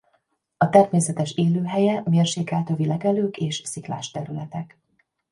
A természetes élőhelye mérsékelt övi legelők és sziklás területek.